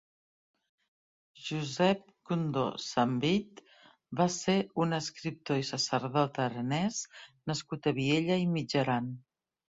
Josèp Condò Sambeat va ser un escriptor i sacerdot aranès nascut a Viella i Mitjaran.